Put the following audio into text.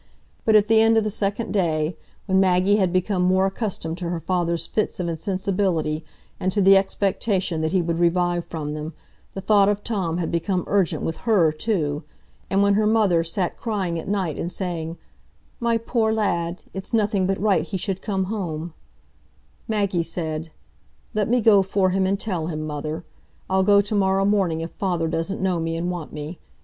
But at the end of the second day, when Maggie had become more accustomed to her father's fits of insensibility, and to the expectation that he would revive from them, the thought of Tom had become urgent with her too; and when her mother sate crying at night and saying, "My poor lad—it's nothing but right he should come home," Maggie said, "Let me go for him, and tell him, mother; I'll go to morrow morning if father doesn't know me and want me.